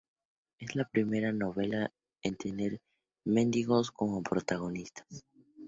Es la primera novela en tener mendigos como protagonistas.